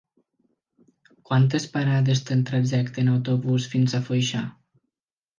Quantes parades té el trajecte en autobús fins a Foixà?